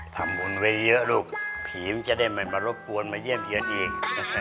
ทำบุญไว้เยอะลูกผีมันจะได้มารบบวนมาเยี่ยมเยอะดีเอง